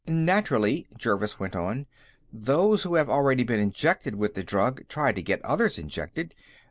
"Naturally," Jervis went on, "those who have already been injected with the drug try to get others injected.